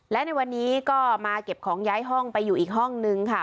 และในวันนี้ก็มาเก็บของย้ายห้องไปอยู่อีกห้องนึงค่ะ